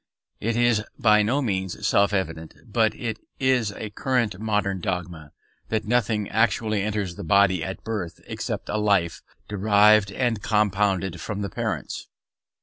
It is by no means self evident, but it is a current modern dogma, that nothing actually enters the body at birth except a life derived and compounded from the parents.